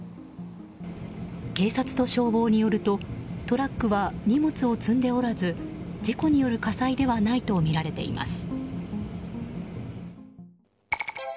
警察と消防によるとトラックは荷物を積んでおらず事故による火災ではないとみられています。